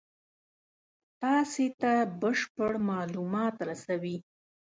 تاسې ته بشپړ مالومات رسوي.